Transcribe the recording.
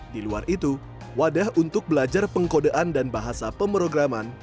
di luar itu wadah untuk belajar pengkodean dan bahasa pemrograman